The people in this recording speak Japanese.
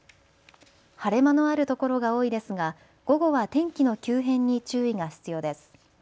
晴れ間のあるところが多いですが午後は天気の急変に注意が必要です。